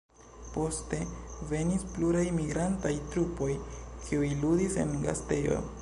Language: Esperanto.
Poste venis pluraj migrantaj trupoj, kiuj ludis en gastejo.